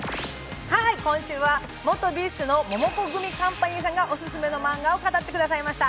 今週は元ＢｉＳＨのモモコグミカンパニーさんがオススメのマンガを語ってくださいました。